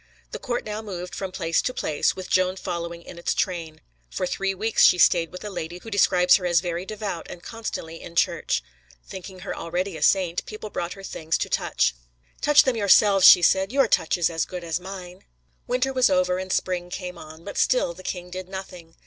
The court now moved from place to place, with Joan following in its train; for three weeks she stayed with a lady who describes her as very devout and constantly in church. Thinking her already a saint, people brought her things to touch. "Touch them yourselves," she said; "your touch is as good as mine." Winter was over and spring came on, but still the king did nothing.